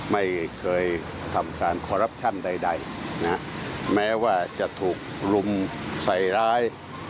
ไม่เคยทำการคอรัปชั่นใดนะฮะแม้ว่าจะถูกรุมใส่ร้าย